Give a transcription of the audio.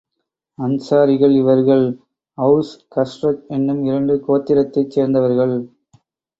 அன்சாரிகள் இவர்கள் Aws, Khazraj என்னும் இரண்டு கோத்திரத்தைச் சேர்ந்தவர்கள்.